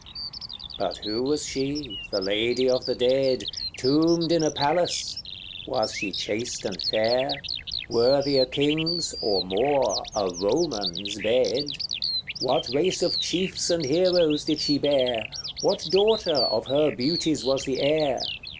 C. But who was she, the lady of the dead, Tombed in a palace? Was she chaste and fair? Worthy a king's or more a Roman's bed? What race of chiefs and heroes did she bear? What daughter of her beauties was the heir?